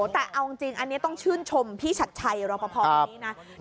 แต่เอาจริงอันนี้ต้องชื่นชมพี่ฉัตย์ไชพอพอวันนี้